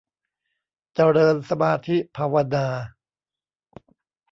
เจริญสมาธิภาวนา